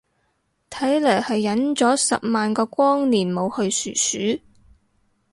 睇嚟係忍咗十萬個光年冇去殊殊